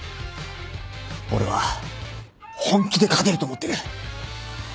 俺は本気で勝てると思ってる。